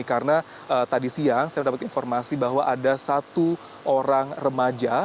karena tadi siang saya mendapat informasi bahwa ada satu orang remaja